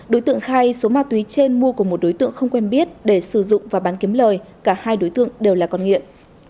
đối tượng khai số ma túy trên mua của một đối tượng không quen biết để sử dụng và bán kiếm lời cả hai đối tượng đều là con nghiện